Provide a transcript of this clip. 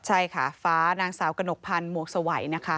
ใช่ค่ะฟ้านางสาวกนกพรรณมวกสวัยนะค่ะ